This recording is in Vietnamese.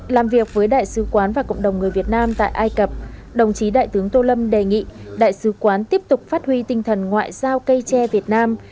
làm việc với đại sứ quán và cộng đồng người việt nam tại ai cập đồng chí đại tướng tô lâm đề nghị đại sứ quán tiếp tục phát huy tinh thần ngoại giao cây tre việt nam